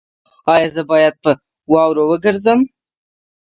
ایا زه باید په واوره وګرځم؟